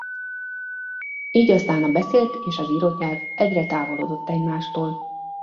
Így aztán a beszélt és az írott nyelv egyre távolodott egymástól.